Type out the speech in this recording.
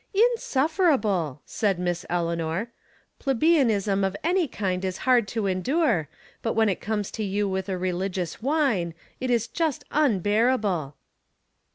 " Insufferable," said Miss Eleanor. " Plebeian ism of any kind is hard to endure ; but when it comes to you with a religious whine, it is just unbearable."